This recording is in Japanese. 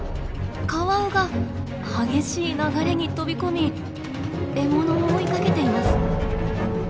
カワウが激しい流れに飛び込み獲物を追いかけています。